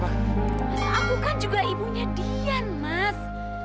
aku kan juga ibunya dian mas